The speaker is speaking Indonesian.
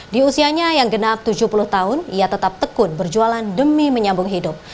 di usianya yang genap tujuh puluh tahun ia tetap tekun berjualan demi menyambung hidup